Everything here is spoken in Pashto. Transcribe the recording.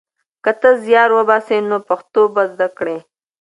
که ته زیار وباسې نو پښتو به زده کړې.